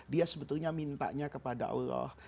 dia sebetulnya mintanya kepada allah